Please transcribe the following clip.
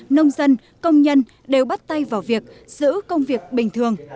nông dân công nhân đều bắt tay vào việc giữ công việc bình thường